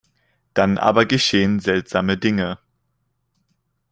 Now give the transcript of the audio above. Dann aber geschehen seltsame Dinge.